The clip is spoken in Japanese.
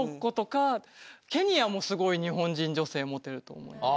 すごい日本人女性モテると思います。